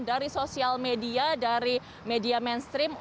dari sosial media dari media mainstream